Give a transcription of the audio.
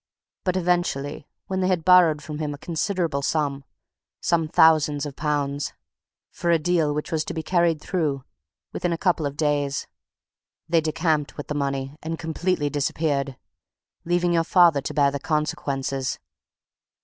But eventually, when they had borrowed from him a considerable sum some thousands of pounds for a deal which was to be carried through within a couple of days, they decamped with the money, and completely disappeared, leaving your father to bear the consequences.